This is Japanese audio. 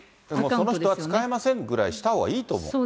その人は使えませんぐらいしたほうがいいと思う。